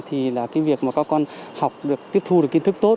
thì việc các con học được tiếp thu được kiến thức tốt